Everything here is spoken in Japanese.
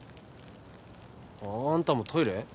あんたもトイレ？